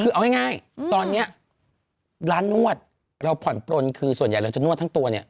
คือเอาง่ายตอนนี้ร้านนวดเราผ่อนปลนคือส่วนใหญ่เราจะนวดทั้งตัวเนี่ย